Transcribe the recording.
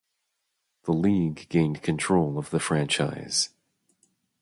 The League gained control of the franchise.